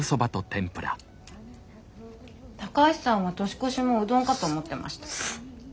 高橋さんは年越しもうどんかと思ってました。